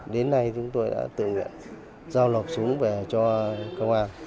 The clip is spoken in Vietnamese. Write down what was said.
đến nay chúng tôi đã tự nguyện giao lộp súng về cho công an